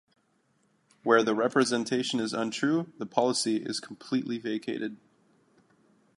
Where the representation is untrue, the policy is completely vacated.